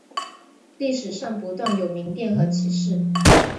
历史上不断有民变和起事。